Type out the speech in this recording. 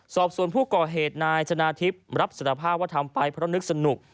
สอบส่วนผู้ก่อเหตุนายชนะทิพย์รับสารภาพว่าทำไปเพราะนึกสนุก